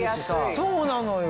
そうなのよ。